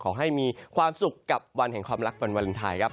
ขอให้มีความสุขกับวันแห่งความรักวันวาเลนไทยครับ